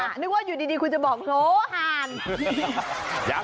นึกว่าอยู่ดีคุณจะบอกโหลห่าน